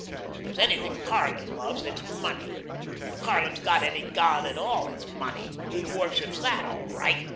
If there's anything Karlin loves, it's money. If Karlin's got any God at all, it's money. He worships that, all right!"